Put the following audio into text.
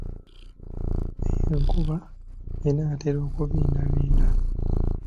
Enkuba enaatera okubindabinda.